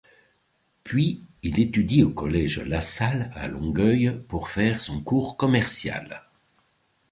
Puis il étudie au Collège LaSalle, à Longueuil, pour faire son cours commercial.